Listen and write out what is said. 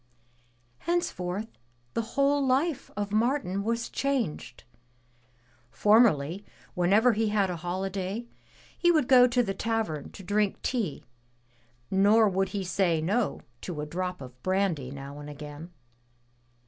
Henceforth the whole life of Martin was changed. Formerly, whenever he had a holiday, he would go to the tavern to drink tea nor would he say no to a drop of brandy now and again.